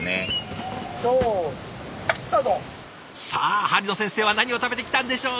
さあ鍼の先生は何を食べてきたんでしょう？